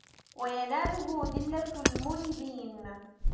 وَيَنَالُهُ ذِلَّةُ الْمُرِيبِينَ